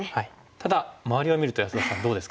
ただ周りを見ると安田さんどうですか？